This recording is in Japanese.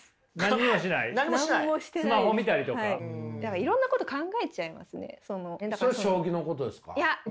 いろんなこと考えちゃいますね。